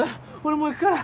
もう行くから。